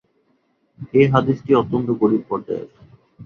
এ হাদীসটি অত্যন্ত গরীব পর্যায়ের।